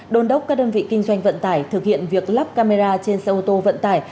đôn đốc các đơn vị kinh doanh vận tải thực hiện việc lắp camera trên xe ô tô vận tải